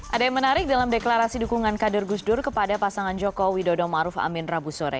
ada yang menarik dalam deklarasi dukungan kader gusdur kepada pasangan joko widodo maruf amin rabu sore